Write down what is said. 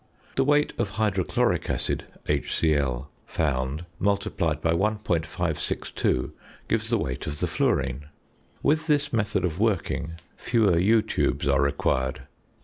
The weight of hydrochloric acid (HCl) found, multiplied by 1.562, gives the weight of the fluorine. With this method of working, fewer ~U~ tubes are required.